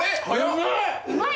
うまい！